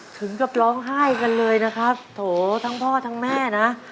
ถึงกับร้องไห้กันเลยนะครับโถทั้งพ่อทั้งแม่นะ